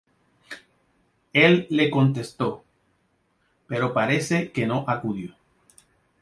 Él le contestó, pero parece que no acudió.